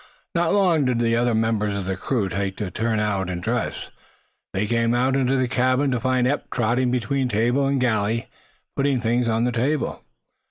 Not long did the other members of the crew take to turn out and dress. They came out into the cabin to find Eph trotting between table and galley, putting things on the table.